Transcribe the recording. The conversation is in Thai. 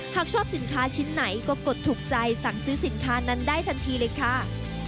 หากชอบสินค้าชิ้นไหนก็กดถูกใจสั่งซื้อสินค้านั้นได้ทันทีเลยค่ะ